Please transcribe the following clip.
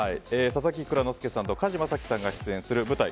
佐々木蔵之介さんと加治将樹さんが出演する舞台